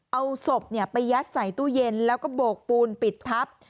เอาศพไปยัดใส่ตู้เย็นแล้วก็โบกปูนปิดทับ